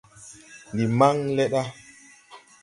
Ndi maŋn le ɗa.